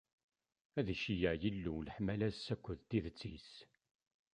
Ad d-iceyyeɛ Yillu leḥmala-s akked tidet-is.